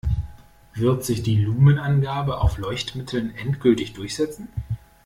Wird sich die Lumen-Angabe auf Leuchtmitteln endgültig durchsetzen?